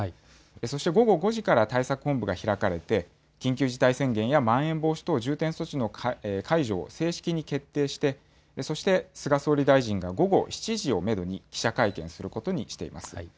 そして、午後５時から対策本部が開かれて、緊急事態宣言やまん延防止等重点措置の解除を正式に決定して、そして菅総理大臣が午後７時をメドに記者会見をすることにしています。